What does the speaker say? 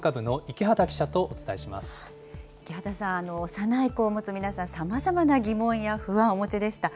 池端さん、幼い子を持つ皆さん、さまざまな疑問や不安お持ちでした。